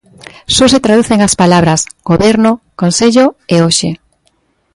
Só se traducen as palabras "goberno", "consello" e "hoxe".